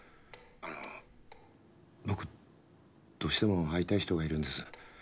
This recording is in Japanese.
あの僕どうしても会いたい人がいるんです。